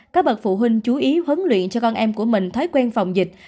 các bậc phụ huynh chú ý huấn luyện cho con em của mình thói quen phòng dịch